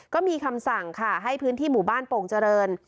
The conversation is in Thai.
ก็มีคำสั่งค่ะให้พื้นที่หมู่บ้านโป่งเจริญ